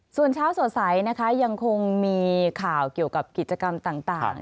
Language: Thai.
ส่วนเช้าสดใสนะคะยังคงมีข่าวเกี่ยวกับกิจกรรมต่าง